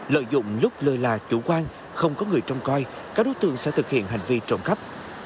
lợi dụng lúc lơi là chủ quan không có người trông coi các đối tượng sẽ thực hiện hành vi trộm cắp